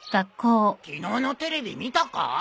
昨日のテレビ見たか？